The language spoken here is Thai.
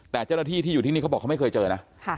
แต่เจ้าหน้าที่ที่อยู่ที่นี่เขาบอกเขาไม่เคยเจอนะ